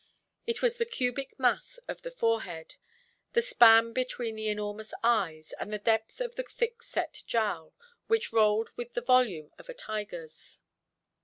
It was the cubic mass of the forehead, the span between the enormous eyes, and the depth of the thick–set jowl, which rolled with the volume of a tigerʼs.